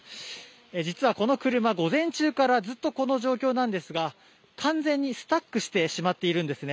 実はこの車、午前中からずっとこの状況なんですが、完全にスタックしてしまっているんですね。